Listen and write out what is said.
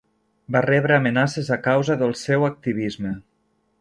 Va rebre amenaces a causa del seu activisme.